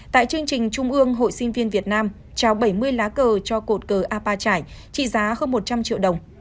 tại chương trình trung ương hội sinh viên việt nam trao bảy mươi lá cờ cho cột cờ apa trải trị giá hơn một trăm linh triệu đồng